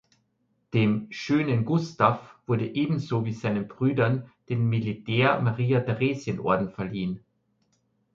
Dem „schönen Gustav“ wurde, ebenso wie seinen Brüdern den Militär-Maria-Theresien-Orden verliehen.